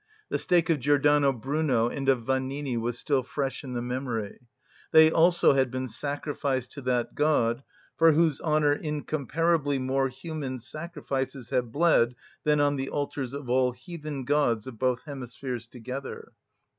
The stake of Giordano Bruno and of Vanini was still fresh in the memory; they also had been sacrificed to that God for whose honour incomparably more human sacrifices have bled than on the altars of all heathen gods of both hemispheres together.